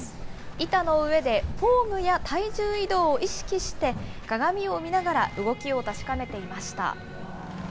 板の上でフォームや体重移動を意識して、鏡を見ながら動きを確かめていました。